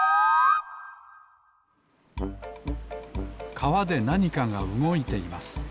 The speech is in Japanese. かわでなにかがうごいています